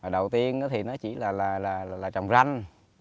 đầu tiên thì nó chỉ là trồng ranh